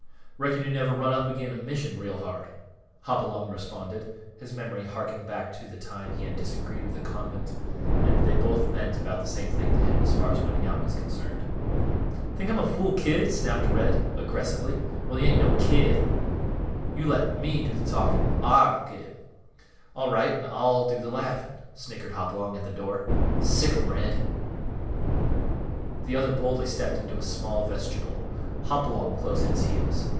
"Reckon you never run up agin' a mission real hard," Hopalong responded, his memory harking back to the time he had disagreed with a convent, and they both meant about the same to him as far as winning out was concerned. "Think I'm a fool kid?" snapped Red, aggressively. "Well, you ain't no kid." "You let me do th' talking; I'll get him." "All right; an' I'll do th' laughing," snickered Hopalong, at the door. "Sic 'em, Red!" The other boldly stepped into a small vestibule, Hopalong close at his heels.